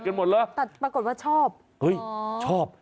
กันหมดแล้วแต่ปรากฏว่าชอบเฮ้ยชอบ